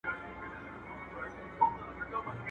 o زړه ئې ښه که، کار ئې وکه.